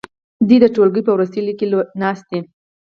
دوی د ټوولګي په وروستي لیکه کې ناست دي.